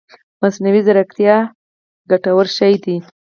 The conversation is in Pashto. مصنوعي ځيرکتيا ګټور شی دی